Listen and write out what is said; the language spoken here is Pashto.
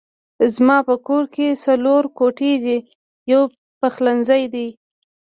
زما په کور کې څلور کوټې دي يو پخلنځی دی